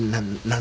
何？